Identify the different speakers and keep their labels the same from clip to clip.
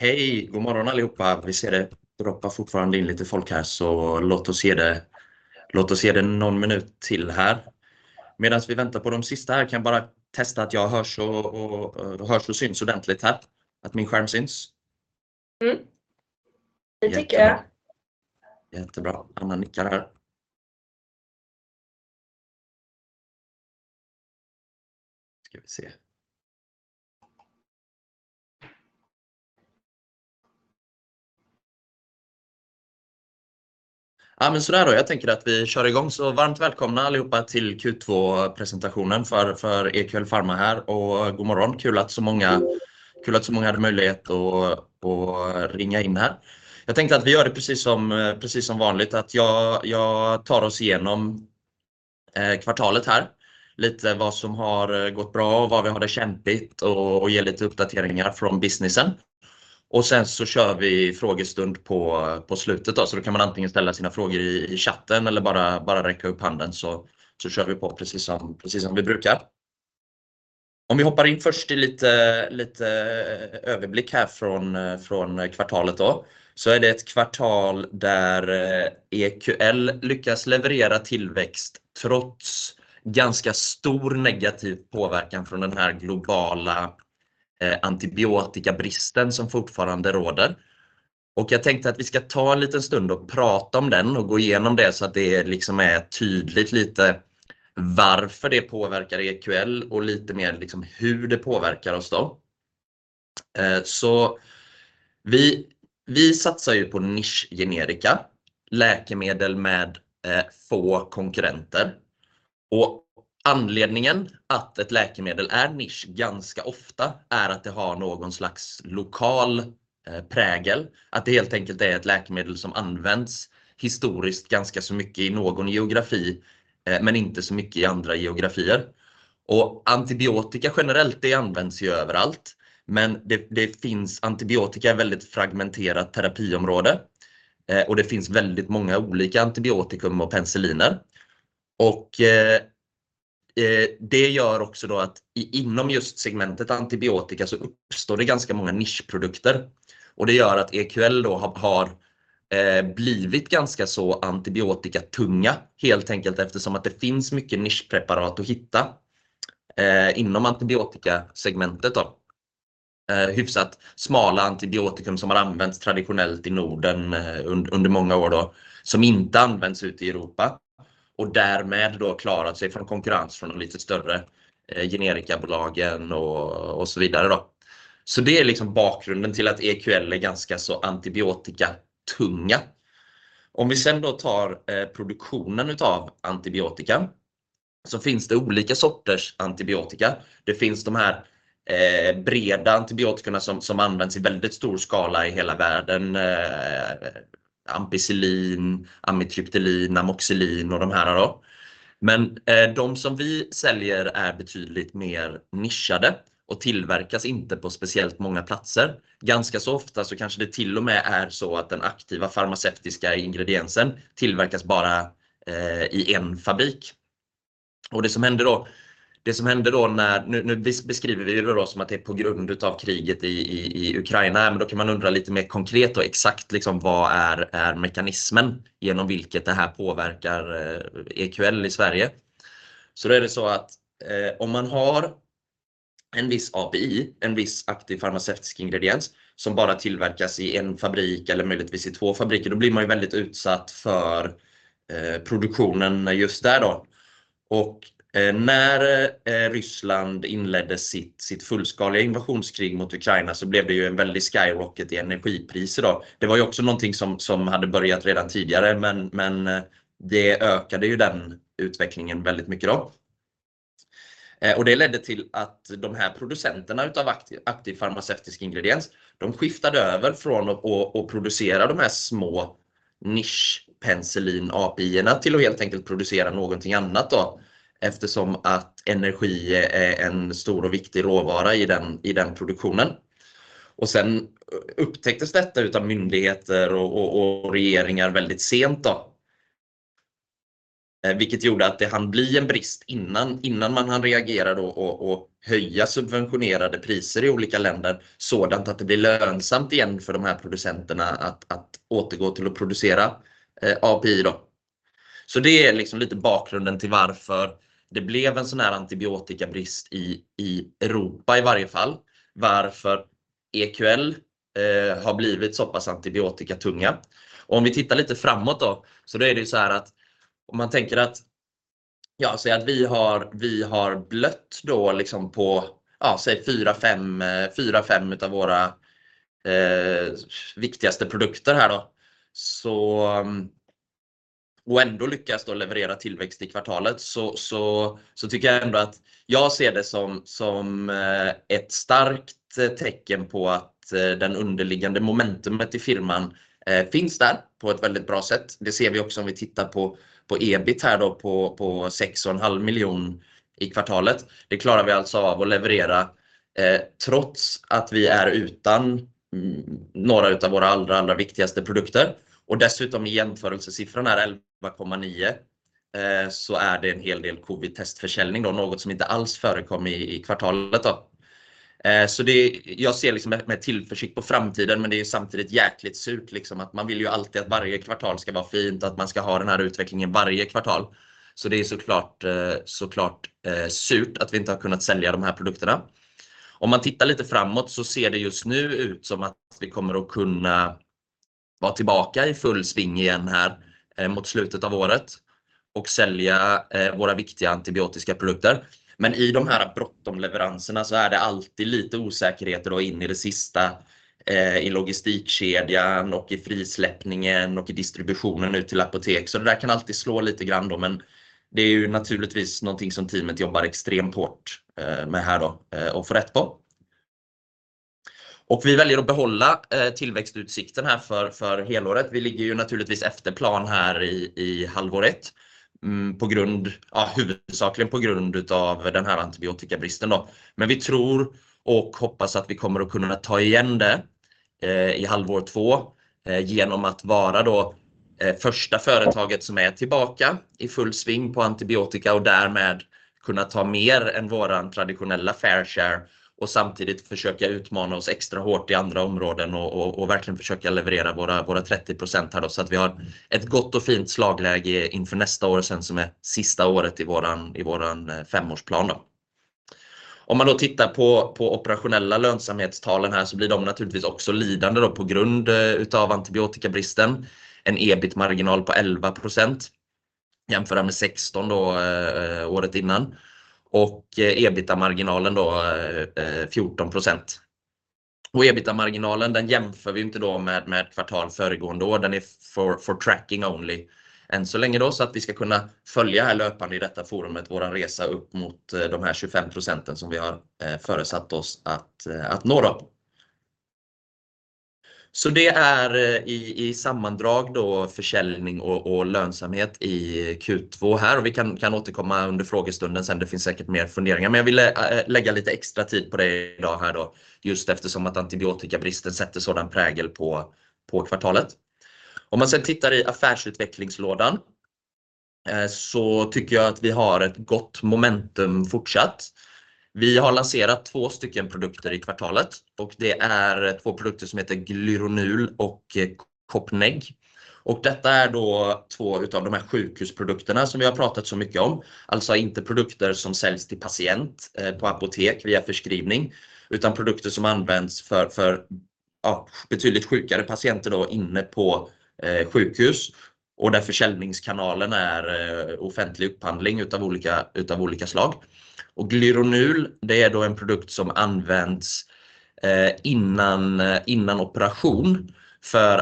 Speaker 1: Hej, god morgon allihopa! Vi ser det droppar fortfarande in lite folk här, så låt oss ge det någon minut till här. Medan vi väntar på de sista här, kan bara testa att jag hörs och syns ordentligt här? Att min skärm syns. Det tycker jag. Jättebra. Anna nickar här. Ska vi se. Ja, men sådär då. Jag tänker att vi kör igång. Så varmt välkomna allihopa till Q2-presentationen för EQL Pharma här och god morgon. Kul att så många hade möjlighet att ringa in här. Jag tänkte att vi gör det precis som vanligt, att jag tar oss igenom kvartalet här. Lite vad som har gått bra och var vi har det kämpigt och ge lite uppdateringar från businessen. Sen så kör vi frågestund på slutet då. Så då kan man antingen ställa sina frågor i chatten eller bara räcka upp handen så kör vi på precis som vi brukar. Om vi hoppar in först i lite överblick här från kvartalet då, så är det ett kvartal där EQL lyckas leverera tillväxt trots ganska stor negativ påverkan från den här globala antibiotikabristen som fortfarande råder. Jag tänkte att vi ska ta en liten stund och prata om den och gå igenom det så att det är tydligt lite varför det påverkar EQL och lite mer hur det påverkar oss då. Vi satsar ju på nischgenerika, läkemedel med få konkurrenter och anledningen att ett läkemedel är nisch ganska ofta är att det har någon slags lokal prägel. Att det helt enkelt är ett läkemedel som används historiskt ganska så mycket i någon geografi, men inte så mycket i andra geografier. Antibiotika generellt, det används ju överallt, men det finns antibiotika är väldigt fragmenterat terapiområde och det finns väldigt många olika antibiotikum och penicilliner. Det gör också då att inom just segmentet antibiotika så uppstår det ganska många nischprodukter och det gör att EQL då har blivit ganska så antibiotikatunga, helt enkelt eftersom att det finns mycket nischpreparat att hitta inom antibiotika segmentet då. Hyfsat smala antibiotikum som har använts traditionellt i Norden under många år då, som inte används ute i Europa och därmed då klarat sig från konkurrens från de lite större generikabolagen och så vidare då. Så det är liksom bakgrunden till att EQL är ganska så antibiotikatunga. Om vi sedan då tar produktionen utav antibiotika, så finns det olika sorters antibiotika. Det finns de här breda antibiotikerna som används i väldigt stor skala i hela världen. Ampicillin, amitriptylin, amoxicillin och de här då. Men de som vi säljer är betydligt mer nischade och tillverkas inte på speciellt många platser. Ganska så ofta så kanske det till och med är så att den aktiva farmaceutiska ingrediensen tillverkas bara i en fabrik. Och det som hände då, det som hände då när, nu beskriver vi det då som att det är på grund av kriget i Ukraina, men då kan man undra lite mer konkret och exakt, vad är mekanismen genom vilket det här påverkar EQL i Sverige? Så då är det så att om man har en viss API, en viss aktiv farmaceutisk ingrediens, som bara tillverkas i en fabrik eller möjligtvis i två fabriker, då blir man väldigt utsatt för produktionen just där då. När Ryssland inledde sitt fullskaliga invasionskrig mot Ukraina så blev det en väldig skyrocket i energipriser då. Det var också någonting som hade börjat redan tidigare, men det ökade utvecklingen väldigt mycket då. Det ledde till att de här producenterna utav aktiv farmaceutisk ingrediens, de skiftade över från att producera de här små nischpenicillin-APIerna, till att helt enkelt producera någonting annat då, eftersom att energi är en stor och viktig råvara i den produktionen. Sedan upptäcktes detta utav myndigheter och regeringar väldigt sent då. Vilket gjorde att det hann bli en brist innan man hann reagera då och höja subventionerade priser i olika länder, så att det blir lönsamt igen för de här producenterna att återgå till att producera API då. Det är liksom lite bakgrunden till varför det blev en sådan här antibiotikabrist i Europa i varje fall, varför EQL har blivit så pass antibiotikatunga. Om vi tittar lite framåt då, så är det ju så här att om man tänker att, ja, säg att vi har blött då liksom på, ja, säg fyra, fem av våra viktigaste produkter här då. Ändå lyckas då leverera tillväxt i kvartalet, så tycker jag ändå att jag ser det som ett starkt tecken på att den underliggande momentumet i firman finns där på ett väldigt bra sätt. Det ser vi också om vi tittar på EBIT här då, på sex och en halv miljoner i kvartalet. Det klarar vi alltså av att leverera, trots att vi är utan några av våra allra, allra viktigaste produkter och dessutom i jämförelsesiffran är 11,9... Så är det en hel del covid-testförsäljning då, något som inte alls förekom i kvartalet då. Så det, jag ser liksom med tillförsikt på framtiden, men det är samtidigt jäkligt surt, liksom att man vill ju alltid att varje kvartal ska vara fint, att man ska ha den här utvecklingen varje kvartal. Så det är så klart, så klart surt att vi inte har kunnat sälja de här produkterna. Om man tittar lite framåt så ser det just nu ut som att vi kommer att kunna vara tillbaka i full swing igen här mot slutet av året och sälja våra viktiga antibiotiska produkter. Men i de här bråttom leveranserna så är det alltid lite osäkerheter då in i det sista i logistikkedjan och i frisläppningen och i distributionen ut till apotek. Så det där kan alltid slå lite grann då, men det är ju naturligtvis någonting som teamet jobbar extremt hårt med här då, och får rätt på. Och vi väljer att behålla tillväxtutsikten här för helåret. Vi ligger ju naturligtvis efter plan här i halvår ett på grund, ja huvudsakligen på grund av den här antibiotikabristen då. Men vi tror och hoppas att vi kommer att kunna ta igen det i halvår två genom att vara då första företaget som är tillbaka i full sving på antibiotika och därmed kunna ta mer än vår traditionella fair share och samtidigt försöka utmana oss extra hårt i andra områden och verkligen försöka leverera våra 30% här då. Så att vi har ett gott och fint slagläge inför nästa år sedan som är sista året i vår femårsplan då. Om man då tittar på operationella lönsamhetstalen här så blir de naturligtvis också lidande då på grund av antibiotikabristen. En EBIT-marginal på 11%, jämfört med 16% då året innan och EBITDA-marginalen då 14%. Och EBITDA-marginalen, den jämför vi inte då med kvartal föregående år. Den är för tracking only än så länge då, så att vi ska kunna följa här löpande i detta forum med vår resa upp mot de här 25% som vi har föresatt oss att nå då. Så det är i sammandrag då försäljning och lönsamhet i Q2 här. Vi kan återkomma under frågestunden sedan. Det finns säkert mer funderingar, men jag ville lägga lite extra tid på det idag här då, just eftersom att antibiotikabristen sätter sådan prägel på kvartalet. Om man sedan tittar i affärsutvecklingslådan, så tycker jag att vi har ett gott momentum fortsatt. Vi har lanserat två stycken produkter i kvartalet och det är två produkter som heter Glyronul och Copneg. Detta är då två utav de här sjukhusprodukterna som vi har pratat så mycket om. Alltså inte produkter som säljs till patient på apotek via förskrivning, utan produkter som används för betydligt sjukare patienter inne på sjukhus och där försäljningskanalen är offentlig upphandling av olika slag. Och Glyronul, det är en produkt som används innan operation för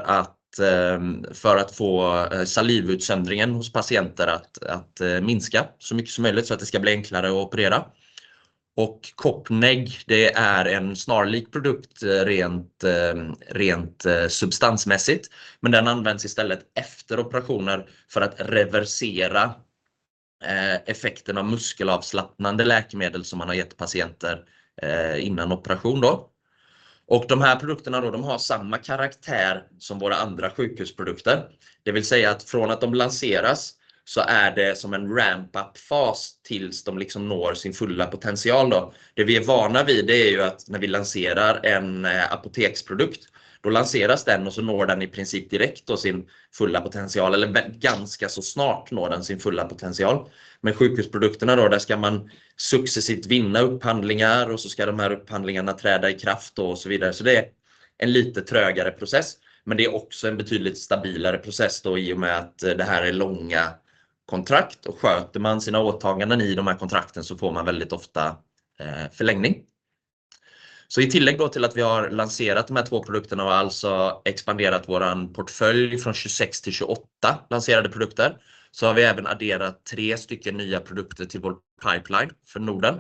Speaker 1: att få salivutsöndringen hos patienter att minska så mycket som möjligt så att det ska bli enklare att operera. Och Copneg, det är en snarlik produkt rent substansmässigt, men den används istället efter operationer för att reversera effekten av muskelavslappnande läkemedel som man har gett patienter innan operation. Och de här produkterna, de har samma karaktär som våra andra sjukhusprodukter. Det vill säga att från att de lanseras så är det som en ramp up-fas tills de når sin fulla potential. Det vi är vana vid, det är ju att när vi lanserar en apoteksprodukt, då lanseras den och så når den i princip direkt då sin fulla potential eller ganska så snart når den sin fulla potential. Men sjukhusprodukterna då, där ska man successivt vinna upphandlingar och så ska de här upphandlingarna träda i kraft och så vidare. Det är en lite trögare process, men det är också en betydligt stabilare process då i och med att det här är långa kontrakt och sköter man sina åtaganden i de här kontrakten så får man väldigt ofta förlängning. I tillägg då till att vi har lanserat de här två produkterna och alltså expanderat vår portfölj från 26 till 28 lanserade produkter, så har vi även adderat tre stycken nya produkter till vår pipeline för Norden.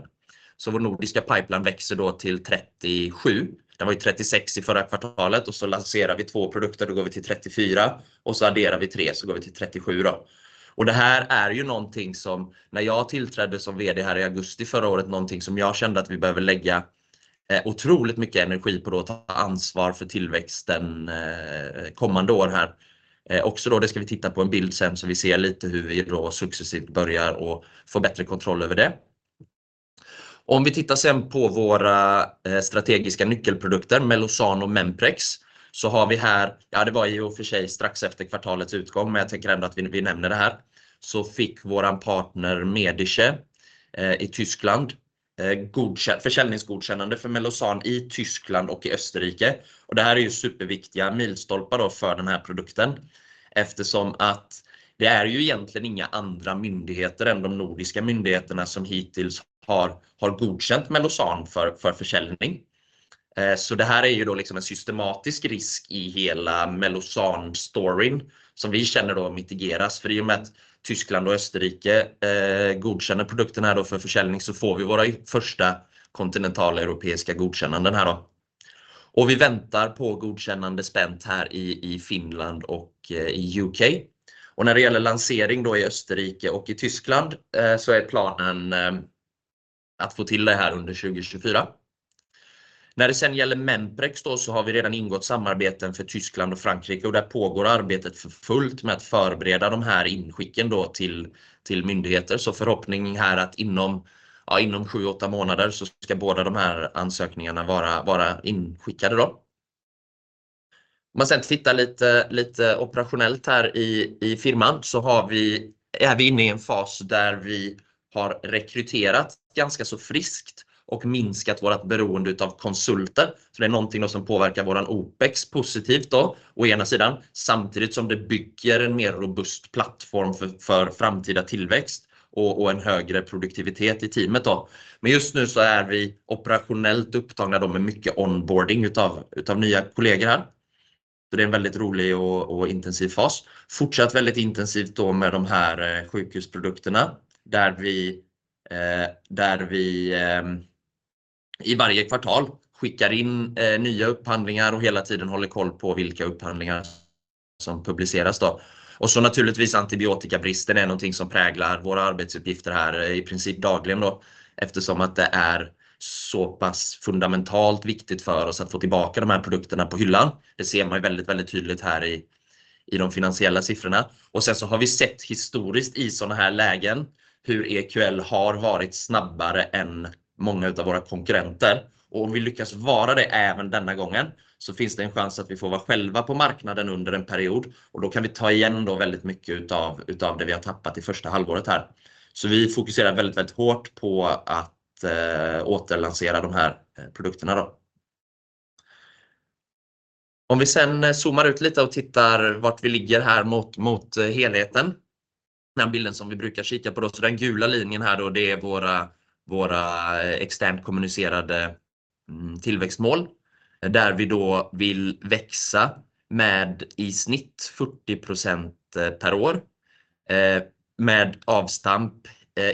Speaker 1: Vår nordiska pipeline växer då till 37. Den var ju trettiosex i förra kvartalet och så lanserar vi två produkter, då går vi till trettiofyra och så adderar vi tre, så går vi till trettiosju då. Det här är ju någonting som när jag tillträdde som VD här i augusti förra året, någonting som jag kände att vi behöver lägga otroligt mycket energi på då, ta ansvar för tillväxten kommande år här. Det ska vi titta på en bild sedan, så vi ser lite hur vi då successivt börjar och får bättre kontroll över det. Om vi tittar sedan på våra strategiska nyckelprodukter, Melosan och Memprez, så har vi här... Det var i och för sig strax efter kvartalets utgång, men jag tänker ändå att vi nämner det här, så fick vår partner Mediche i Tyskland godkänd, försäljningsgodkännande för Melosan i Tyskland och i Österrike. Och det här är ju superviktiga milstolpar då för den här produkten, eftersom att det är ju egentligen inga andra myndigheter än de nordiska myndigheterna som hittills har godkänt Melosan för försäljning. Så det här är ju då liksom en systematisk risk i hela Melosan-storyn, som vi känner då mitigeras. För i och med att Tyskland och Österrike godkänner produkten här då för försäljning, så får vi våra första kontinentala europeiska godkännanden här då. Vi väntar på godkännande spänt här i Finland och i UK. När det gäller lansering då i Österrike och i Tyskland, så är planen att få till det här under 2024. När det sedan gäller Memprex då, så har vi redan ingått samarbeten för Tyskland och Frankrike och där pågår arbetet för fullt med att förbereda de här inskicken då till myndigheter. Så förhoppningen är att inom, ja inom sju, åtta månader så ska båda de här ansökningarna vara inskickade då. Om man sedan tittar lite operationellt här i firman så har vi, är vi inne i en fas där vi har rekryterat ganska så friskt och minskat vårt beroende av konsulter. Så det är någonting som påverkar vår Opex positivt då å ena sidan, samtidigt som det bygger en mer robust plattform för framtida tillväxt och en högre produktivitet i teamet då. Men just nu så är vi operationellt upptagna med mycket onboarding av nya kollegor här. Så det är en väldigt rolig och intensiv fas. Fortsatt väldigt intensivt då med de här sjukhusprodukterna, där vi i varje kvartal skickar in nya upphandlingar och hela tiden håller koll på vilka upphandlingar som publiceras då. Och så naturligtvis, antibiotikabristen är någonting som präglar våra arbetsuppgifter här i princip dagligen, eftersom det är så pass fundamentalt viktigt för oss att få tillbaka de här produkterna på hyllan. Det ser man väldigt, väldigt tydligt här i de finansiella siffrorna. Sedan har vi sett historiskt i sådana här lägen hur EQL har varit snabbare än många av våra konkurrenter. Om vi lyckas vara det även denna gången, så finns det en chans att vi får vara själva på marknaden under en period och då kan vi ta igen väldigt mycket av det vi har tappat i första halvåret här. Vi fokuserar väldigt, väldigt hårt på att återlansera de här produkterna. Om vi sedan zoomar ut lite och tittar var vi ligger här mot helheten. Den bilden som vi brukar kika på då, så den gula linjen här, det är våra externt kommunicerade tillväxtmål, där vi då vill växa med i snitt 40% per år. Med avstamp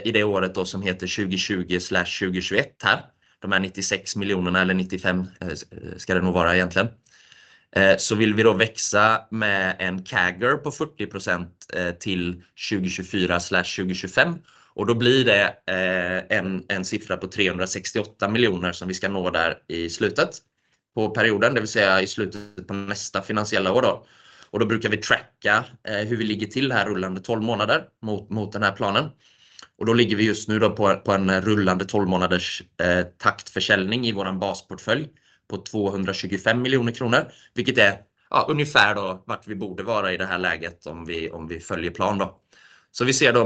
Speaker 1: i det året då som heter 2020/2021 här. De här 96 miljonerna eller 95, ska det nog vara egentligen. Så vill vi då växa med en CAGR på 40% till 2024/2025. Och då blir det en siffra på 368 miljoner som vi ska nå där i slutet på perioden, det vill säga i slutet på nästa finansiella år då. Och då brukar vi tracka hur vi ligger till här rullande tolv månader mot den här planen. Och då ligger vi just nu på en rullande tolv månaders taktförsäljning i vår basportfölj på 225 miljoner kronor, vilket är ungefär då vart vi borde vara i det här läget om vi följer plan då. Så vi ser då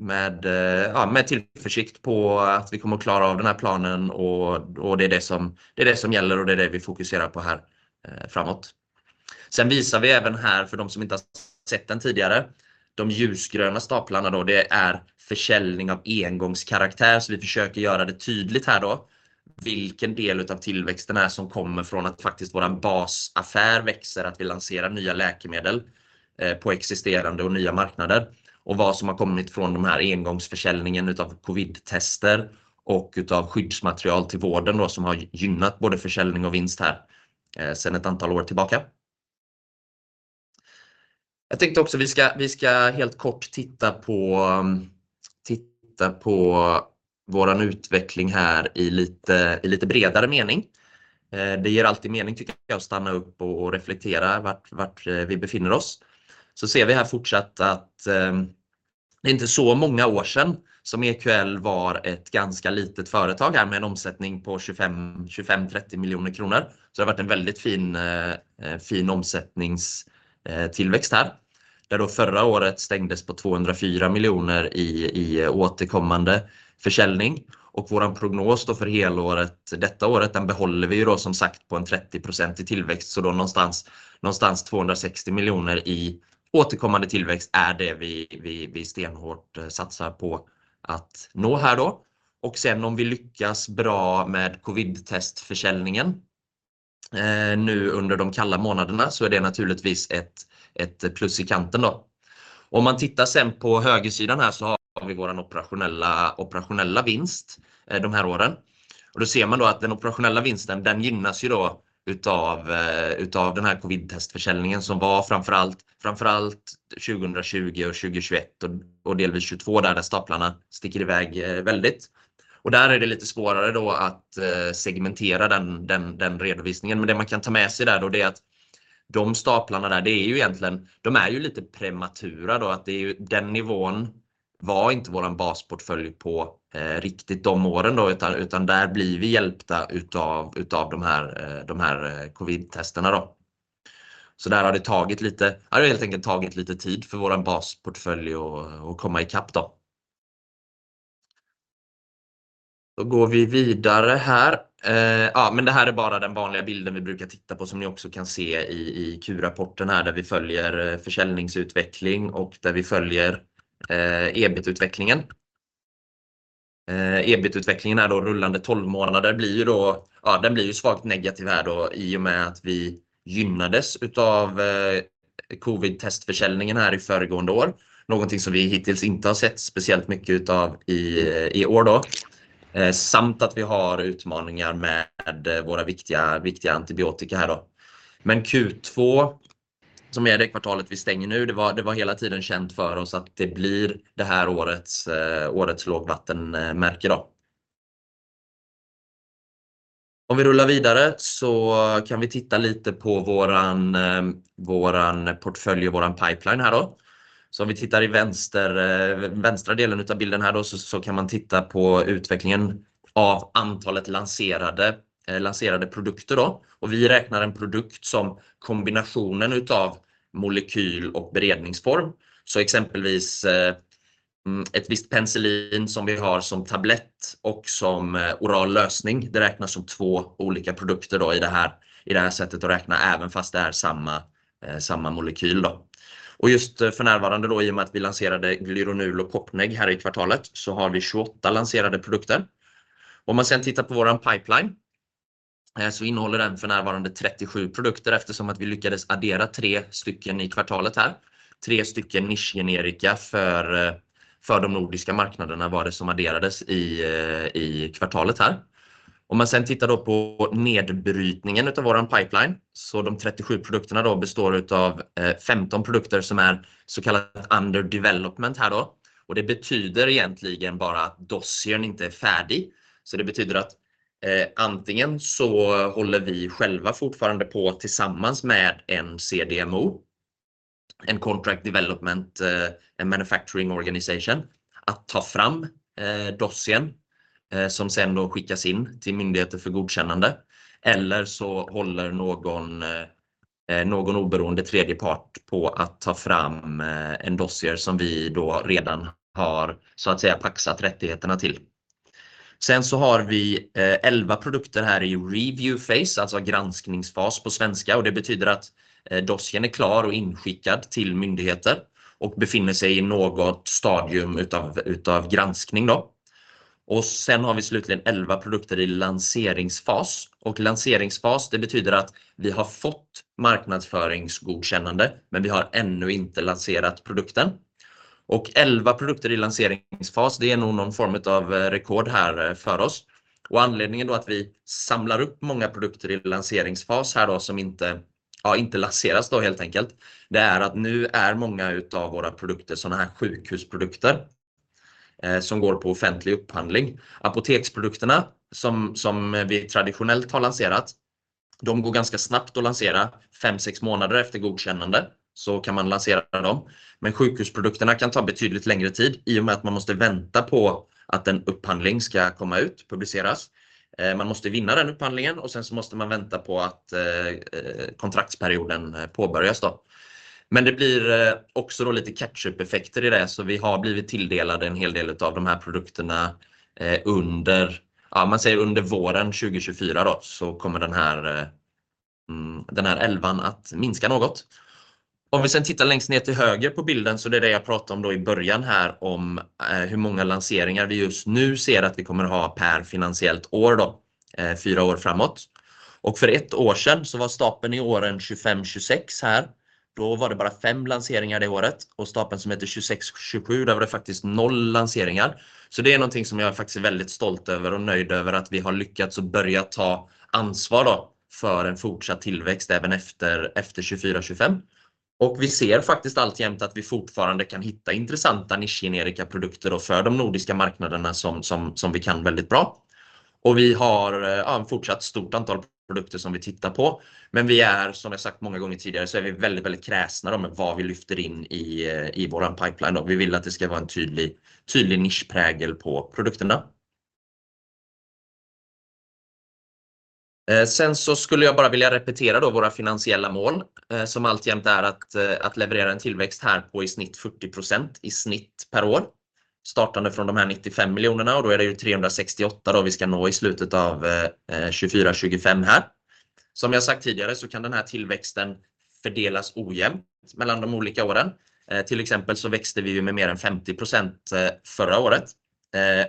Speaker 1: med tillförsikt på att vi kommer att klara av den här planen och det är det som gäller och det är det vi fokuserar på här framåt. Sen visar vi även här för de som inte har sett den tidigare, de ljusgröna staplarna då, det är försäljning av engångskaraktär. Vi försöker göra det tydligt här då, vilken del av tillväxten som kommer från att faktiskt vår basaffär växer, att vi lanserar nya läkemedel på existerande och nya marknader och vad som har kommit från den här engångsförsäljningen av covidtester och av skyddsmaterial till vården då, som har gynnat både försäljning och vinst här sedan ett antal år tillbaka. Jag tänkte också, vi ska helt kort titta på vår utveckling här i lite bredare mening. Det ger alltid mening tycker jag, att stanna upp och reflektera var vi befinner oss. Vi ser här fortsatt att det är inte så många år sedan som EQL var ett ganska litet företag med en omsättning på 25-30 miljoner kronor. Det har varit en väldigt fin omsättningstillväxt här, där förra året stängdes på 204 miljoner i återkommande försäljning och vår prognos för helåret, detta året, den behåller vi som sagt på en 30% tillväxt. Någonstans 260 miljoner i återkommande tillväxt är det vi stenhårt satsar på att nå här. Sedan om vi lyckas bra med covidtestförsäljningen nu under de kalla månaderna, är det naturligtvis ett plus i kanten. Om man tittar på högersidan här har vi vår operationella vinst de här åren. Man ser att den operationella vinsten gynnas av den här covidtestförsäljningen, som var framför allt 2020 och 2021 och delvis 2022, där de staplarna sticker iväg väldigt. Och där är det lite svårare då att segmentera den redovisningen. Men det man kan ta med sig där då, det är att de staplarna där, det är ju egentligen, de är ju lite prematura då, att det är ju den nivån var inte vår basportfölj på riktigt de åren då, utan där blir vi hjälpta av de här covidtesterna då. Så där har det tagit lite, har det helt enkelt tagit lite tid för vår basportfölj att komma i kapp då. Då går vi vidare här. Ja, men det här är bara den vanliga bilden vi brukar titta på, som ni också kan se i Q-rapporten här, där vi följer försäljningsutveckling och där vi följer EBIT-utvecklingen. EBIT-utvecklingen är då rullande tolv månader, blir ju då, ja, den blir ju svagt negativ här då i och med att vi gynnades av covidtestförsäljningen här i föregående år. Något som vi hittills inte har sett speciellt mycket av i år då. Samt att vi har utmaningar med våra viktiga antibiotika här då. Men Q2, som är det kvartalet vi stänger nu, det var hela tiden känt för oss att det blir det här årets lågvattenmärke då. Om vi rullar vidare så kan vi titta lite på vår portfölj och vår pipeline här då. Så om vi tittar i vänster, vänstra delen av bilden här då så kan man titta på utvecklingen av antalet lanserade produkter då. Vi räknar en produkt som kombinationen av molekyl och beredningsform. Så exempelvis ett visst penicillin som vi har som tablett och som oral lösning, det räknas som två olika produkter då i det här sättet att räkna, även fast det är samma molekyl då. Och just för närvarande då, i och med att vi lanserade Glyronul och Kopneg här i kvartalet, så har vi tjugoåtta lanserade produkter. Om man sedan tittar på vår pipeline, så innehåller den för närvarande trettiosju produkter, eftersom att vi lyckades addera tre stycken i kvartalet här. Tre stycken nischgenerika för de nordiska marknaderna var det som adderades i kvartalet här. Om man sedan tittar på nedbrytningen av vår pipeline, så de trettiosju produkterna då består av femton produkter som är så kallat under development här då. Och det betyder egentligen bara att dossiern inte är färdig. Det betyder att antingen så håller vi själva fortfarande på tillsammans med en CDMO, en Contract Development Manufacturing Organization, att ta fram dossiern, som sedan skickas in till myndigheter för godkännande. Eller så håller någon oberoende tredje part på att ta fram en dossier som vi redan har paxat rättigheterna till. Sen har vi elva produkter här i review phase, alltså granskningsfas på svenska och det betyder att dossiern är klar och inskickad till myndigheter och befinner sig i något stadium av granskning. Slutligen har vi elva produkter i lanseringsfas. Lanseringsfas betyder att vi har fått marknadsföringsgodkännande, men vi har ännu inte lanserat produkten. Elva produkter i lanseringsfas, det är nog någon form av rekord här för oss. Och anledningen då att vi samlar upp många produkter i lanseringsfas här då, som inte, ja, inte lanseras då helt enkelt, det är att nu är många utav våra produkter sådana här sjukhusprodukter som går på offentlig upphandling. Apoteksprodukterna som vi traditionellt har lanserat, de går ganska snabbt att lansera. Fem, sex månader efter godkännande så kan man lansera dem. Men sjukhusprodukterna kan ta betydligt längre tid i och med att man måste vänta på att en upphandling ska komma ut, publiceras. Man måste vinna den upphandlingen och sen så måste man vänta på att kontraktsperioden påbörjas då. Men det blir också då lite catch-up effekter i det, så vi har blivit tilldelade en hel del utav de här produkterna under, ja man säger under våren 2024 då, så kommer den här elvan att minska något. Om vi sedan tittar längst ner till höger på bilden så är det det jag pratade om i början här, om hur många lanseringar vi just nu ser att vi kommer att ha per finansiellt år, fyra år framåt. För ett år sedan så var stapeln i åren 2025, 2026 här. Då var det bara fem lanseringar det året och stapeln som heter 2026, 2027, där var det faktiskt noll lanseringar. Så det är någonting som jag faktiskt är väldigt stolt över och nöjd över att vi har lyckats börja ta ansvar för en fortsatt tillväxt även efter 2024, 2025. Vi ser faktiskt alltjämt att vi fortfarande kan hitta intressanta nischgenerika produkter för de nordiska marknaderna som vi kan väldigt bra. Vi har ett fortsatt stort antal produkter som vi tittar på. Men vi är, som jag sagt många gånger tidigare, så är vi väldigt, väldigt kräsna med vad vi lyfter in i vår pipeline. Vi vill att det ska vara en tydlig, tydlig nischprägel på produkterna. Sen så skulle jag bara vilja repetera då våra finansiella mål, som alltjämt är att leverera en tillväxt här på i snitt 40% i snitt per år. Startande från de här 95 miljonerna och då är det ju 368 då vi ska nå i slutet av 2024, 2025 här. Som jag sagt tidigare så kan den här tillväxten fördelas ojämnt mellan de olika åren. Till exempel så växte vi med mer än 50% förra året,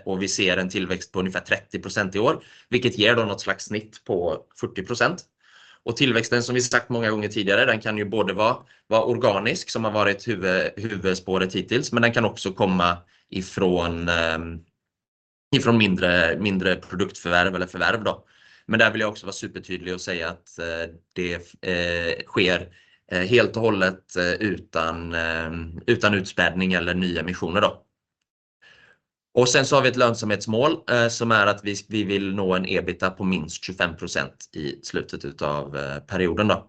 Speaker 1: och vi ser en tillväxt på ungefär 30% i år, vilket ger då något slags snitt på 40%. Och tillväxten, som vi sagt många gånger tidigare, den kan ju både vara organisk, som har varit huvudspåret hittills, men den kan också komma ifrån mindre produktförvärv eller förvärv då. Men där vill jag också vara supertydlig och säga att det sker helt och hållet utan utspädning eller nya emissioner då. Och sen så har vi ett lönsamhetsmål som är att vi vill nå en EBITDA på minst 25% i slutet av perioden då.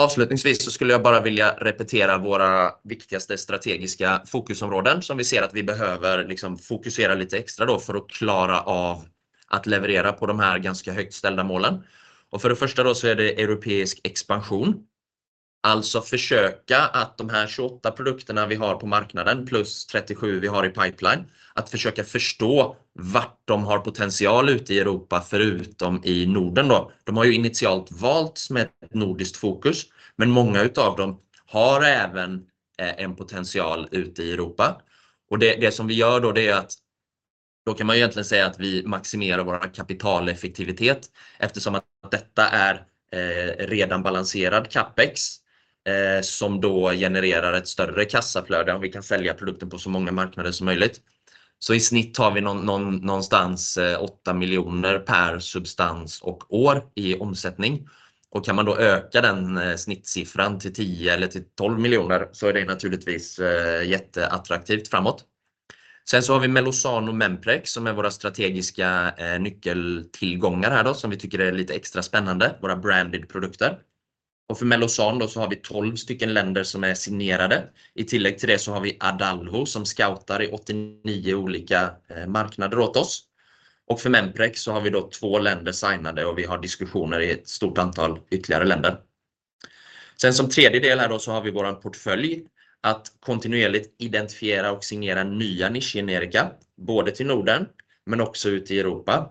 Speaker 1: Avslutningsvis så skulle jag bara vilja repetera våra viktigaste strategiska fokusområden som vi ser att vi behöver fokusera lite extra då för att klara av att leverera på de här ganska högt ställda målen. Och för det första då så är det europeisk expansion. Alltså försöka att de här tjugoåtta produkterna vi har på marknaden, plus trettiosju vi har i pipeline, att försöka förstå var de har potential ute i Europa, förutom i Norden då. De har ju initialt valts med ett nordiskt fokus, men många av dem har även en potential ute i Europa. Och det som vi gör då, det är att då kan man egentligen säga att vi maximerar vår kapitaleffektivitet, eftersom att detta är redan balanserad capex som då genererar ett större kassaflöde om vi kan sälja produkten på så många marknader som möjligt. Så i snitt har vi någonstans åtta miljoner per substans och år i omsättning. Och kan man då öka den snittsiffran till tio eller till tolv miljoner så är det naturligtvis jätteattraktivt framåt. Sen så har vi Melosane och Memprex, som är våra strategiska nyckeltillgångar här då, som vi tycker är lite extra spännande, våra branded produkter. För Melosane då så har vi tolv stycken länder som är signerade. I tillägg till det så har vi Adalho, som scoutar i åttio-nio olika marknader åt oss. För Memprex så har vi då två länder signerade och vi har diskussioner i ett stort antal ytterligare länder. Som tredje del här då så har vi vår portfölj att kontinuerligt identifiera och signera nya nischgenerika, både till Norden men också ut i Europa.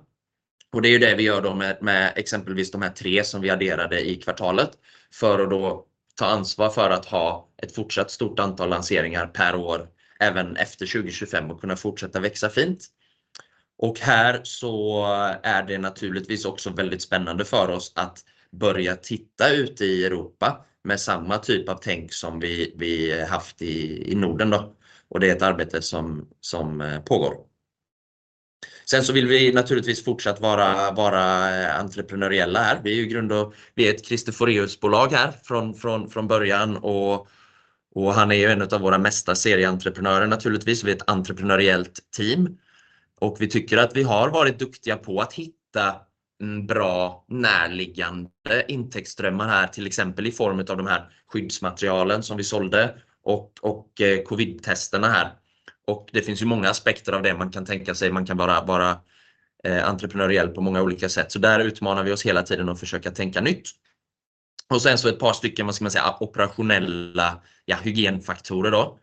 Speaker 1: Det är ju det vi gör då med, med exempelvis de här tre som vi adderade i kvartalet för att då ta ansvar för att ha ett fortsatt stort antal lanseringar per år, även efter 2025, och kunna fortsätta växa fint. Och här så är det naturligtvis också väldigt spännande för oss att börja titta ut i Europa med samma typ av tänk som vi haft i Norden då. Och det är ett arbete som pågår. Sen så vill vi naturligtvis fortsatt vara entreprenöriella här. Vi är ju grund och vi är ett Christer Foriusbolag här från början och han är ju en utav våra mesta serieentreprenörer naturligtvis. Vi är ett entreprenöriellt team och vi tycker att vi har varit duktiga på att hitta bra närliggande intäktsströmmar här, till exempel i form utav de här skyddsmaterialen som vi sålde och covidtesterna här. Och det finns ju många aspekter av det man kan tänka sig. Man kan bara vara entreprenöriell på många olika sätt. Så där utmanar vi oss hela tiden att försöka tänka nytt. Och sen så ett par stycken, vad ska man säga, operationella hygienfaktorer då.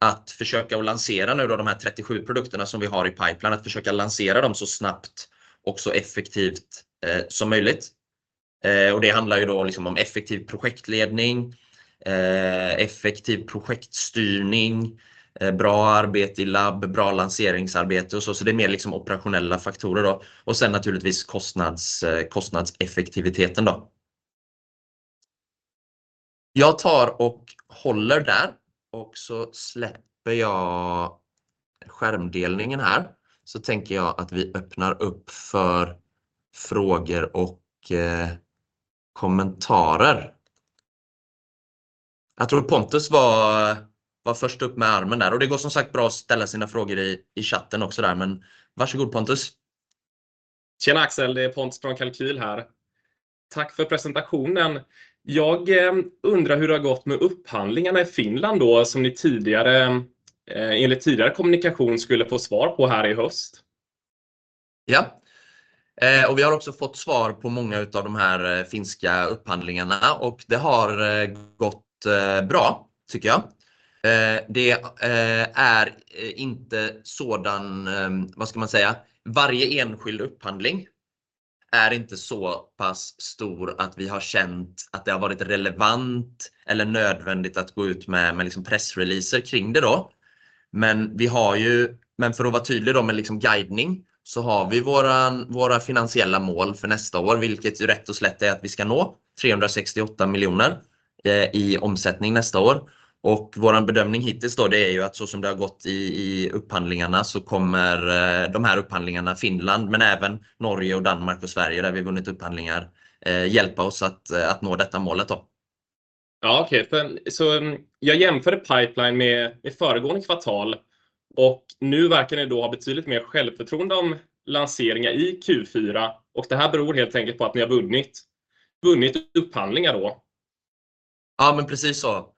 Speaker 1: Att försöka lansera nu då de här trettiosju produkterna som vi har i pipelinen, att försöka lansera dem så snabbt och så effektivt som möjligt. Och det handlar ju då om effektiv projektledning, effektiv projektstyrning, bra arbete i labb, bra lanseringsarbete och så. Så det är mer liksom operationella faktorer då. Och sen naturligtvis kostnads, kostnadseffektiviteten då. Jag tar och håller där och så släpper jag skärmdelningen här. Så tänker jag att vi öppnar upp för frågor och kommentarer. Jag tror Pontus var, var först upp med armen där och det går som sagt bra att ställa sina frågor i chatten också där. Men varsågod, Pontus.
Speaker 2: Tjena Axel, det är Pontus från Kalkyl här. Tack för presentationen! Jag undrar hur det har gått med upphandlingarna i Finland då, som ni tidigare, enligt tidigare kommunikation, skulle få svar på här i höst?
Speaker 1: Ja, och vi har också fått svar på många av de här finska upphandlingarna och det har gått bra tycker jag. Det är inte sådan, vad ska man säga? Varje enskild upphandling är inte så pass stor att vi har känt att det har varit relevant eller nödvändigt att gå ut med pressreleaser kring det då. Men vi har ju, men för att vara tydlig då med guidning, så har vi våra finansiella mål för nästa år, vilket rätt och slätt är att vi ska nå 368 miljoner i omsättning nästa år. Vår bedömning hittills då, det är ju att så som det har gått i upphandlingarna så kommer de här upphandlingarna, Finland, men även Norge och Danmark och Sverige, där vi vunnit upphandlingar, hjälpa oss att nå detta målet då.
Speaker 2: Ja, okej, så jag jämförde pipeline med föregående kvartal och nu verkar ni då ha betydligt mer självförtroende om lanseringar i Q4. Det här beror helt enkelt på att ni har vunnit upphandlingar då?
Speaker 1: Ja, men precis så.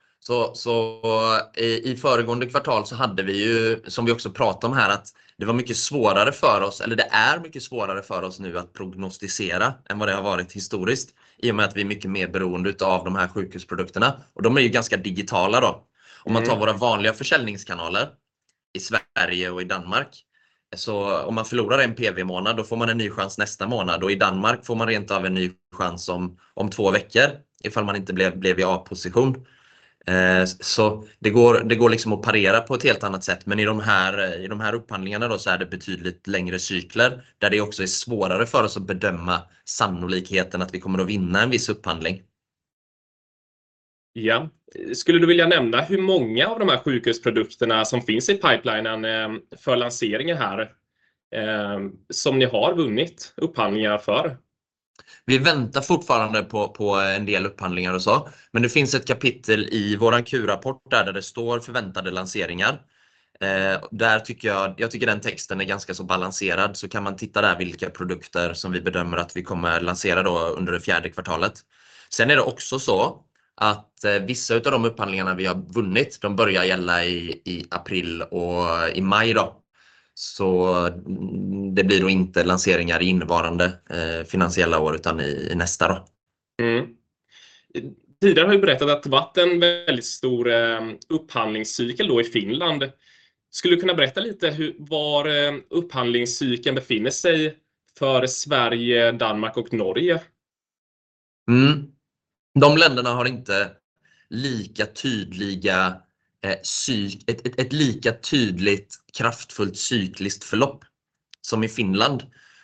Speaker 1: I föregående kvartal hade vi ju, som vi också pratat om här, att det var mycket svårare för oss eller det är mycket svårare för oss nu att prognostisera än vad det har varit historiskt, i och med att vi är mycket mer beroende av de här sjukhusprodukterna och de är ju ganska digitala då. Om man tar våra vanliga försäljningskanaler i Sverige och i Danmark, så om man förlorar en PV-månad, då får man en ny chans nästa månad och i Danmark får man rent av en ny chans om två veckor ifall man inte blev i A-position. Så det går, det går liksom att parera på ett helt annat sätt, men i de här, i de här upphandlingarna så är det betydligt längre cykler, där det också är svårare för oss att bedöma sannolikheten att vi kommer att vinna en viss upphandling.
Speaker 2: Ja, skulle du vilja nämna hur många av de här sjukhusprodukterna som finns i pipelinen för lanseringen här, som ni har vunnit upphandlingar för?
Speaker 1: Vi väntar fortfarande på en del upphandlingar och så, men det finns ett kapitel i vår Q-rapport där det står förväntade lanseringar. Där tycker jag den texten är ganska så balanserad, så kan man titta där vilka produkter som vi bedömer att vi kommer lansera under det fjärde kvartalet. Sen är det också så att vissa av de upphandlingarna vi har vunnit, de börjar gälla i april och i maj då. Så det blir då inte lanseringar i innevarande finansiella år, utan i nästa då.
Speaker 2: Mm. Tidigare har du berättat att det har varit en väldigt stor upphandlingscykel då i Finland. Skulle du kunna berätta lite hur, var upphandlingscykeln befinner sig för Sverige, Danmark och Norge?
Speaker 1: De länderna har inte lika tydliga cykler, ett lika tydligt, kraftfullt cykliskt förlopp som i Finland,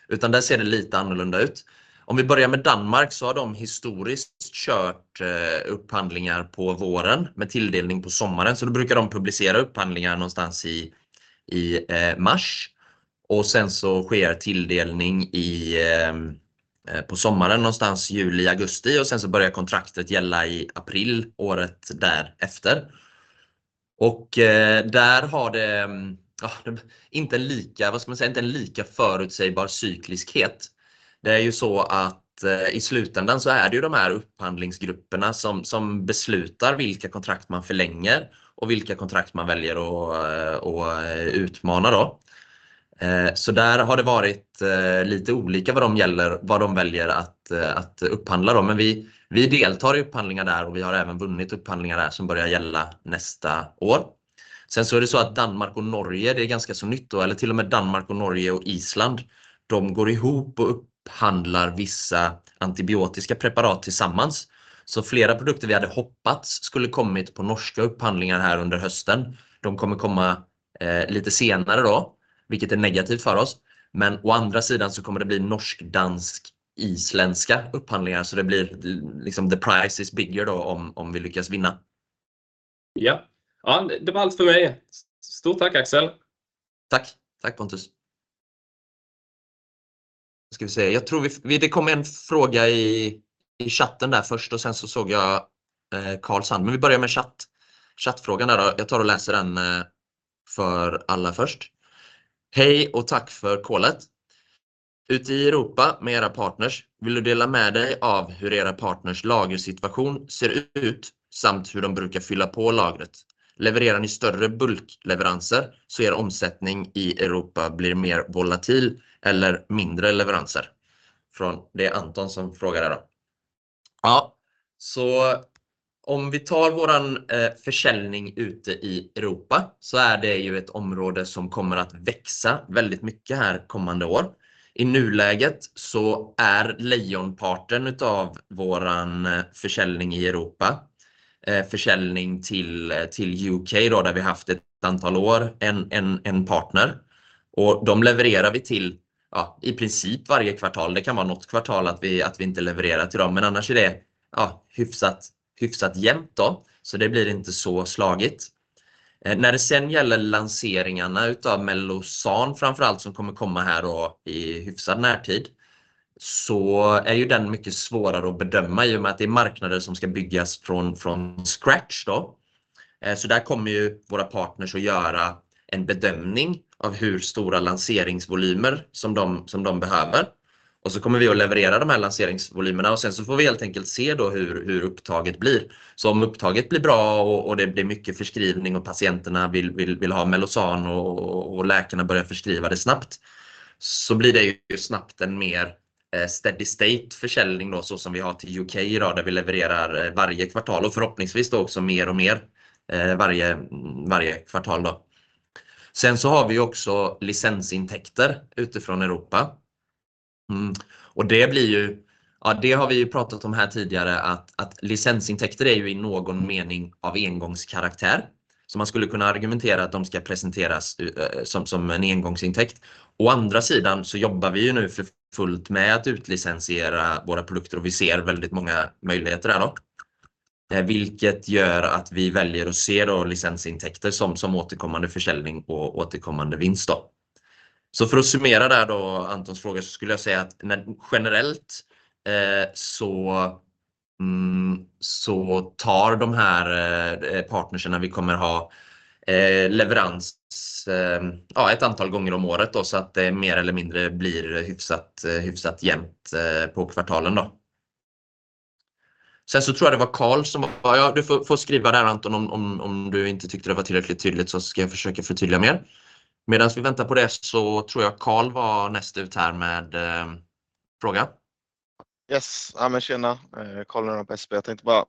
Speaker 1: utan där ser det lite annorlunda ut. Om vi börjar med Danmark så har de historiskt kört upphandlingar på våren med tilldelning på sommaren, så då brukar de publicera upphandlingar någonstans i mars. Och sen så sker tilldelning på sommaren, någonstans juli, augusti och sen så börjar kontraktet gälla i april året därefter. Och där har det inte en lika, vad ska man säga, inte en lika förutsägbar cykliskhet. Det är ju så att i slutändan så är det ju de här upphandlingsgrupperna som beslutar vilka kontrakt man förlänger och vilka kontrakt man väljer att utmana då. Så där har det varit lite olika vad de gäller, vad de väljer att upphandla då. Men vi deltar i upphandlingar där och vi har även vunnit upphandlingar där som börjar gälla nästa år. Sen så är det så att Danmark och Norge, det är ganska så nytt då, eller till och med Danmark och Norge och Island. De går ihop och upphandlar vissa antibiotiska preparat tillsammans. Så flera produkter vi hade hoppats skulle kommit på norska upphandlingar här under hösten. De kommer komma lite senare då, vilket är negativt för oss, men å andra sidan så kommer det bli norsk, dansk, isländska upphandlingar. Så det blir liksom the price is bigger då om vi lyckas vinna.
Speaker 2: Ja, det var allt för mig. Stort tack, Axel!
Speaker 1: Tack, tack Pontus. Ska vi se? Jag tror vi, det kom en fråga i chatten där först och sen så såg jag Carls hand. Men vi börjar med chattfrågan där då. Jag tar och läser den för allra först. Hej och tack för callet. Ute i Europa med era partners, vill du dela med dig av hur era partners lagersituation ser ut samt hur de brukar fylla på lagret? Levererar ni större bulkleveranser så er omsättning i Europa blir mer volatil eller mindre leveranser? Från, det är Anton som frågar det då. Ja, så om vi tar vår försäljning ute i Europa så är det ju ett område som kommer att växa väldigt mycket här kommande år. I nuläget så är lejonparten av vår försäljning i Europa, försäljning till UK då, där vi haft ett antal år en partner och de levererar vi till, ja, i princip varje kvartal. Det kan vara något kvartal att vi inte levererar till dem, men annars är det, ja, hyfsat jämnt då, så det blir inte så slagigt. När det sedan gäller lanseringarna av Melozan, framför allt, som kommer komma här då i hyfsad närtid, så är ju den mycket svårare att bedöma i och med att det är marknader som ska byggas från scratch då. Så där kommer ju våra partners att göra en bedömning av hur stora lanseringsvolymer som de behöver. Och så kommer vi att leverera de här lanseringsvolymerna och sen så får vi helt enkelt se då hur upptaget blir. Om upptaget blir bra och det blir mycket förskrivning och patienterna vill ha Melozan och läkarna börjar förskriva det snabbt, blir det snabbt en mer steady state försäljning då, så som vi har till UK idag, där vi levererar varje kvartal och förhoppningsvis också mer och mer varje kvartal då. Vi har också licensintäkter utifrån Europa. Det har vi pratat om här tidigare, att licensintäkter är i någon mening av engångskaraktär. Man skulle kunna argumentera att de ska presenteras som en engångsintäkt. Å andra sidan jobbar vi nu för fullt med att utlicensiera våra produkter och vi ser väldigt många möjligheter där då. Vilket gör att vi väljer att se licensintäkter som återkommande försäljning och återkommande vinst då. För att summera det där då, Antons fråga, så skulle jag säga att när generellt så tar de här partnersen, vi kommer ha leverans ett antal gånger om året då, så att det mer eller mindre blir hyfsat jämnt på kvartalen då. Sen så tror jag det var Carl som, ja, du får skriva där Anton, om du inte tyckte det var tillräckligt tydligt så ska jag försöka förtydliga mer. Medan vi väntar på det så tror jag Carl var näst ut här med fråga.
Speaker 3: Ja men tjena! Carl på SP. Jag tänkte bara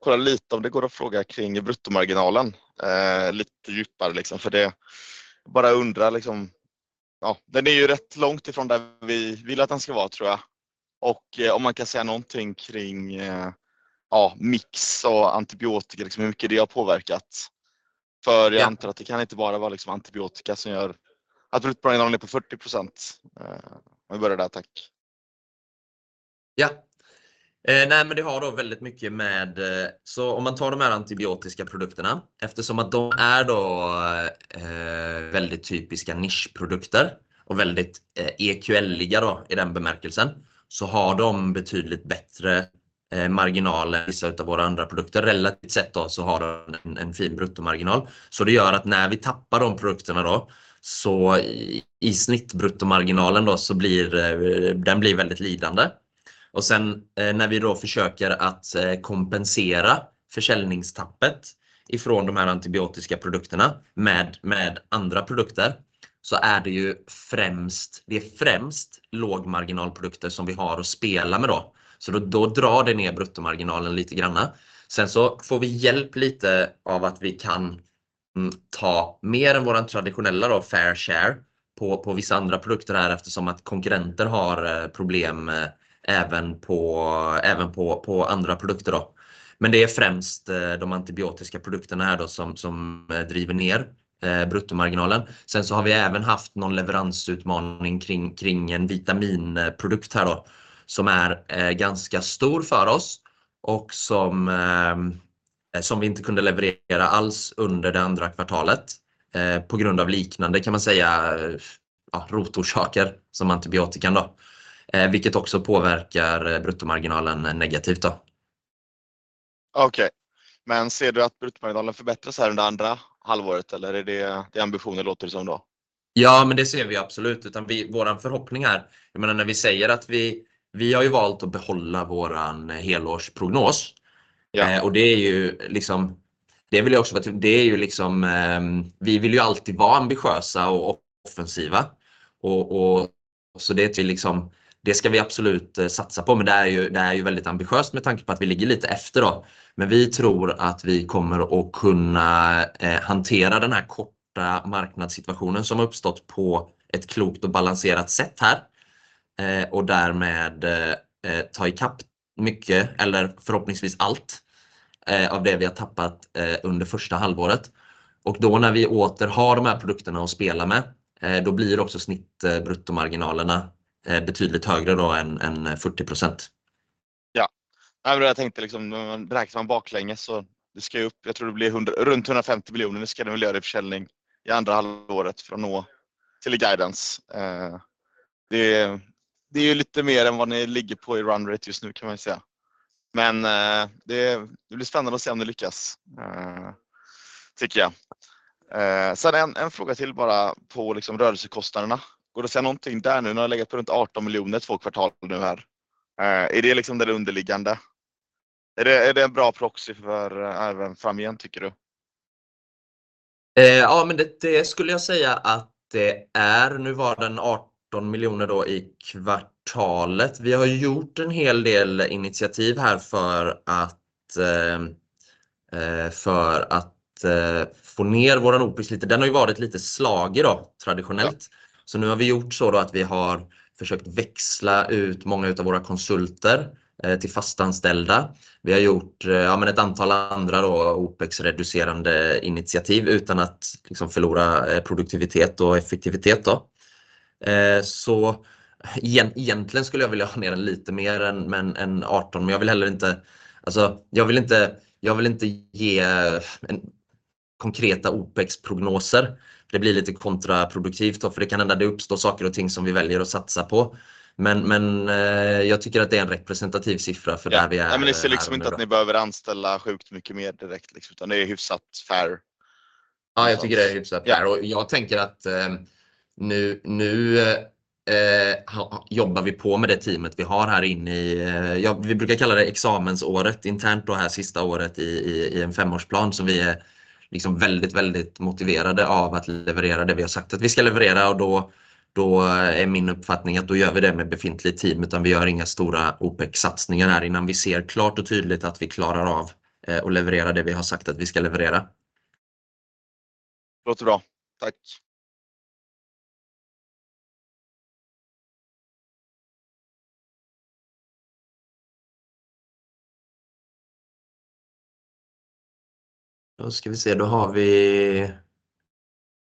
Speaker 3: kolla lite om det går att fråga kring bruttomarginalen lite djupare liksom, för det, bara undrar liksom. Ja, den är ju rätt långt ifrån där vi vill att den ska vara tror jag. Och om man kan säga någonting kring, ja, mix och antibiotika, liksom hur mycket det har påverkat. För jag antar att det kan inte bara vara liksom antibiotika som gör att bruttomarginalen är på 40%. Om vi börjar där, tack.
Speaker 1: Ja! Nej, men det har då väldigt mycket med... Så om man tar de här antibiotiska produkterna, eftersom att de är då väldigt typiska nischprodukter och väldigt EQL-liga då i den bemärkelsen, så har de betydligt bättre marginalen än vissa utav våra andra produkter. Relativt sett då så har den en fin bruttomarginal, så det gör att när vi tappar de produkterna då, så i snittbruttomarginalen då, så blir den väldigt lidande. Och sen när vi då försöker att kompensera försäljningstappet ifrån de här antibiotiska produkterna med andra produkter, så är det ju främst lågmarginalprodukter som vi har att spela med då. Så då drar det ner bruttomarginalen lite granna. Sen så får vi hjälp lite av att vi kan ta mer än vår traditionella fair share på vissa andra produkter här, eftersom konkurrenter har problem även på andra produkter då. Men det är främst de antibiotiska produkterna här då, som driver ner bruttomarginalen. Sen så har vi även haft någon leveransutmaning kring en vitaminprodukt här då, som är ganska stor för oss och som vi inte kunde leverera alls under det andra kvartalet. På grund av liknande, kan man säga, ja, rotorsaker som antibiotikan då, vilket också påverkar bruttomarginalen negativt då.
Speaker 3: Okej, men ser du att bruttomarginalen förbättras här under andra halvåret? Eller är det ambitionen låter det som då?
Speaker 1: Ja, men det ser vi absolut. Vi, vår förhoppning är, jag menar när vi säger att vi, vi har ju valt att behålla vår helårsprognos. Det är ju liksom, det vill jag också... Det är ju liksom, vi vill ju alltid vara ambitiösa och offensiva och, så det är till liksom, det ska vi absolut satsa på, men det är ju, det är väldigt ambitiöst med tanke på att vi ligger lite efter då. Men vi tror att vi kommer att kunna hantera den här korta marknadssituationen som har uppstått på ett klokt och balanserat sätt här och därmed ta ikapp mycket eller förhoppningsvis allt, av det vi har tappat under första halvåret. När vi åter har de här produkterna att spela med, då blir också snittbruttomarginalerna betydligt högre då än 40%.
Speaker 3: Ja, jag tänkte när man räknar baklänges så det ska upp. Jag tror det blir runt 150 miljoner. Det ska det väl göra i försäljning i andra halvåret för att nå till guidance. Det är ju lite mer än vad ni ligger på i run rate just nu kan man ju säga. Men det blir spännande att se om det lyckas, tycker jag. Sen en fråga till bara på rörelsekostnaderna. Går det att säga någonting där nu? Ni har legat på runt 18 miljoner, två kvartal nu här. Är det det underliggande? Är det en bra proxy för även framöver, tycker du?
Speaker 1: Ja, men det skulle jag säga att det är. Nu var den arton miljoner då i kvartalet. Vi har gjort en hel del initiativ här för att få ner vår Opex lite. Den har ju varit lite slagi då, traditionellt. Så nu har vi gjort så att vi har försökt växla ut många av våra konsulter till fastanställda. Vi har gjort, ja men ett antal andra då, Opex reducerande initiativ utan att förlora produktivitet och effektivitet då. Så egentligen skulle jag vilja ha ner den lite mer än arton, men jag vill heller inte ge konkreta Opex prognoser. Det blir lite kontraproduktivt, för det kan hända det uppstår saker och ting som vi väljer att satsa på. Men jag tycker att det är en representativ siffra för där vi är.
Speaker 3: Ja, men ni ser liksom inte att ni behöver anställa sjukt mycket mer direkt, utan det är hyfsat fair.
Speaker 1: Ja, jag tycker det är hyfsat fair. Jag tänker att nu jobbar vi på med det teamet vi har här inne i, ja, vi brukar kalla det examensåret, internt då det här sista året i en femårsplan som vi är väldigt, väldigt motiverade av att leverera det vi har sagt att vi ska leverera. Och då är min uppfattning att då gör vi det med befintligt team, utan vi gör inga stora Opex-satsningar här innan vi ser klart och tydligt att vi klarar av att leverera det vi har sagt att vi ska leverera.
Speaker 3: Låter bra. Tack!
Speaker 1: Då ska vi se, då har vi...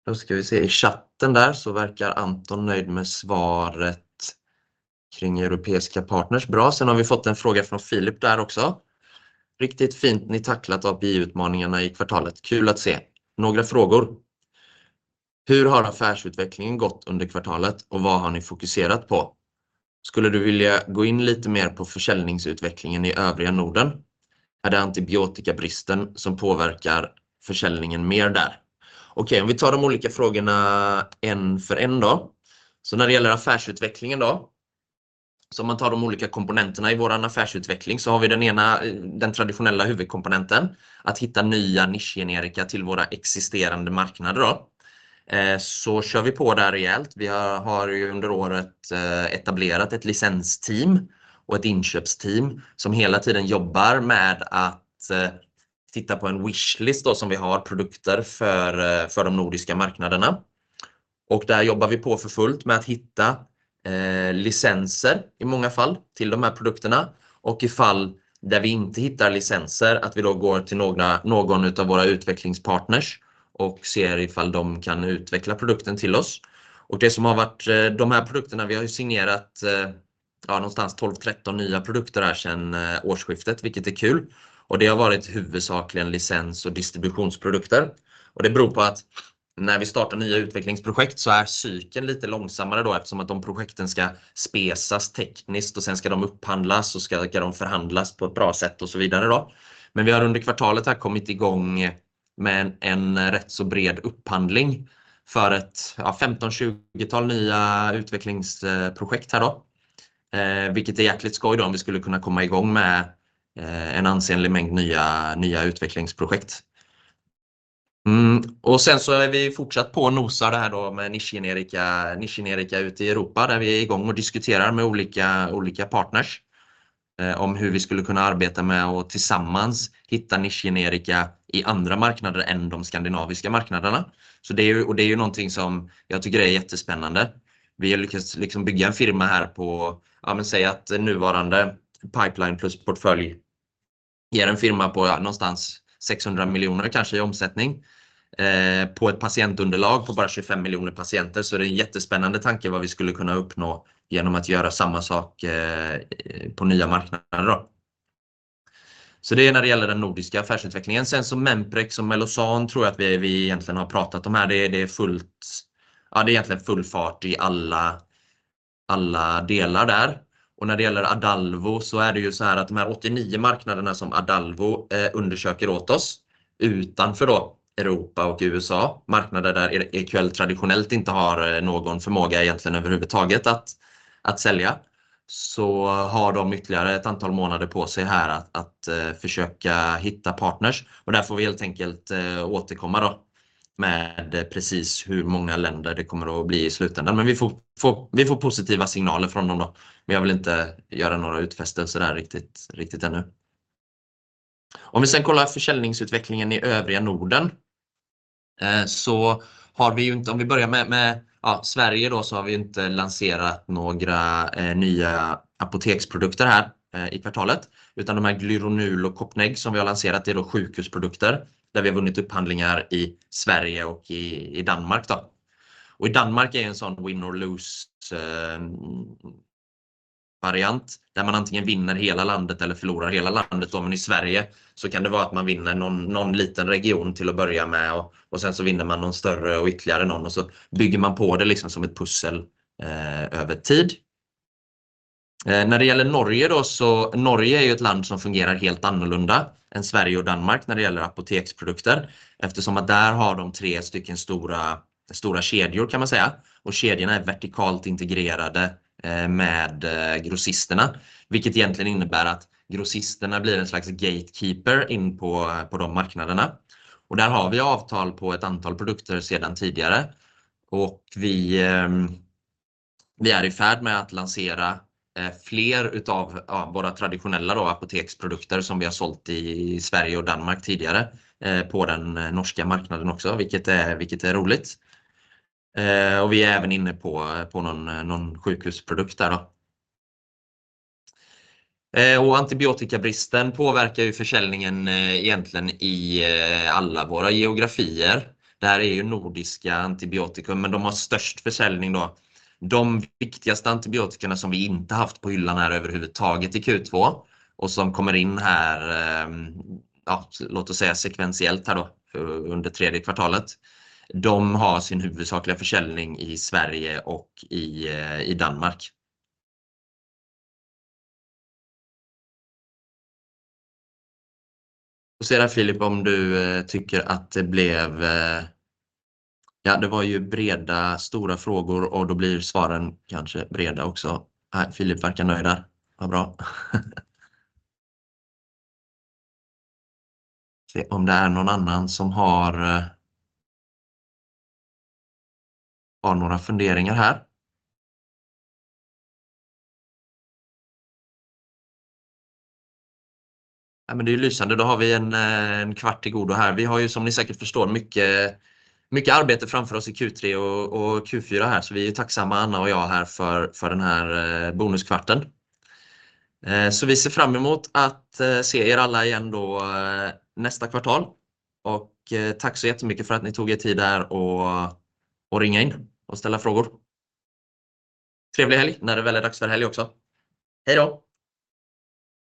Speaker 1: Då ska vi se i chatten där så verkar Anton nöjd med svaret kring europeiska partners. Bra, sen har vi fått en fråga från Philip där också. Riktigt fint, ni tacklat API-utmaningarna i kvartalet. Kul att se! Några frågor: Hur har affärsutvecklingen gått under kvartalet och vad har ni fokuserat på? Skulle du vilja gå in lite mer på försäljningsutvecklingen i övriga Norden? Är det antibiotikabristen som påverkar försäljningen mer där? Okej, om vi tar de olika frågorna en för en då. När det gäller affärsutvecklingen då, så om man tar de olika komponenterna i vår affärsutveckling så har vi den ena, den traditionella huvudkomponenten, att hitta nya nischgenerika till våra existerande marknader då. Så kör vi på där rejält. Vi har ju under året etablerat ett licensteam och ett inköpsteam som hela tiden jobbar med att titta på en wish list då, som vi har produkter för, för de nordiska marknaderna. Och där jobbar vi på för fullt med att hitta licenser, i många fall, till de här produkterna och ifall där vi inte hittar licenser, att vi då går till någon av våra utvecklingspartners och ser ifall de kan utveckla produkten till oss. Och det som har varit de här produkterna, vi har ju signerat, ja, någonstans tolv, tretton nya produkter sedan årsskiftet, vilket är kul. Och det har varit huvudsakligen licens och distributionsprodukter. Och det beror på att när vi startar nya utvecklingsprojekt så är cykeln lite långsammare då, eftersom att de projekten ska spesas tekniskt och sen ska de upphandlas och ska de förhandlas på ett bra sätt och så vidare då. Men vi har under kvartalet kommit igång med en rätt så bred upphandling för ett femton, tjugotal nya utvecklingsprojekt här då, vilket är jäkligt skoj då om vi skulle kunna komma igång med en ansenlig mängd nya utvecklingsprojekt. Och sen så är vi fortsatt på och nosar det här med nischgenerika, nischgenerika ute i Europa, där vi är igång och diskuterar med olika partners om hur vi skulle kunna arbeta med och tillsammans hitta nischgenerika i andra marknader än de skandinaviska marknaderna. Så det är ju, och det är ju någonting som jag tycker är jättespännande. Vi har lyckats bygga en firma här på, ja men säga att nuvarande pipeline plus portfölj... Är en firma på någonstans 600 miljoner kanske i omsättning på ett patientunderlag på bara 25 miljoner patienter, så är det en jättespännande tanke vad vi skulle kunna uppnå igenom att göra samma sak på nya marknader då. Så det är när det gäller den nordiska affärsutvecklingen. Sen så Memprecs och Melozan tror jag att vi egentligen har pratat om här. Det är fullt, ja, det är egentligen full fart i alla delar där. När det gäller Adalvo så är det ju såhär att de här 89 marknaderna som Adalvo undersöker åt oss, utanför då Europa och USA, marknader där EQL traditionellt inte har någon förmåga egentligen överhuvudtaget att sälja, så har de ytterligare ett antal månader på sig här att försöka hitta partners och där får vi helt enkelt återkomma då med precis hur många länder det kommer att bli i slutänden. Men vi får positiva signaler från dem då, men jag vill inte göra några utfästelser där riktigt ännu. Om vi sedan kollar försäljningsutvecklingen i övriga Norden, så har vi inte, om vi börjar med Sverige då, så har vi inte lanserat några nya apoteksprodukter här i kvartalet, utan de här Glyronul och Copneg, som vi har lanserat, är då sjukhusprodukter, där vi har vunnit upphandlingar i Sverige och i Danmark då. Och i Danmark är en sådan win or lose-variant, där man antingen vinner hela landet eller förlorar hela landet då. Men i Sverige så kan det vara att man vinner någon liten region till att börja med och sen så vinner man någon större och ytterligare någon och så bygger man på det liksom som ett pussel över tid. När det gäller Norge då, så Norge är ju ett land som fungerar helt annorlunda än Sverige och Danmark när det gäller apoteksprodukter. Eftersom att där har de tre stycken stora, stora kedjor kan man säga och kedjorna är vertikalt integrerade med grossisterna, vilket egentligen innebär att grossisterna blir en slags gatekeeper in på de marknaderna. Där har vi avtal på ett antal produkter sedan tidigare och vi är i färd med att lansera fler av våra traditionella apoteksprodukter som vi har sålt i Sverige och Danmark tidigare, på den norska marknaden också, vilket är roligt. Vi är även inne på någon sjukhusprodukt där då. Antibiotikabristen påverkar ju försäljningen egentligen i alla våra geografier. Det här är ju nordiska antibiotikum, men de har störst försäljning då. De viktigaste antibiotikarna som vi inte haft på hyllan är överhuvudtaget i Q2 och som kommer in här, ja, låt oss säga sekventiellt här då, under tredje kvartalet. De har sin huvudsakliga försäljning i Sverige och i Danmark. Och ser här Philip, om du tycker att det blev... Ja, det var ju breda, stora frågor och då blir svaren kanske breda också. Nej, Philip verkar nöjd där. Vad bra! Se om det är någon annan som har några funderingar här. Ja, men det är lysande. Då har vi en kvart till godo här. Vi har ju, som ni säkert förstår, mycket arbete framför oss i Q3 och Q4 här, så vi är tacksamma, Anna och jag här för den här bonuskvarten. Så vi ser fram emot att se er alla igen då nästa kvartal och tack så jättemycket för att ni tog er tid där och ringa in och ställa frågor. Trevlig helg, när det väl är dags för helg också. Hej då!